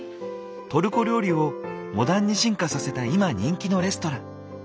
トルコ料理をモダンに進化させた今人気のレストラン。